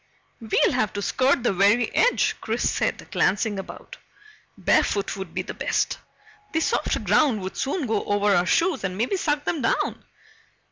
"We'll have to skirt the very edge," Chris said glancing about. "Barefoot would be the best. This soft ground would soon go over our shoes and maybe suck them down."